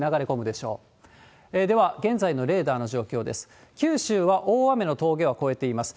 では、現在のレーダーの状況です。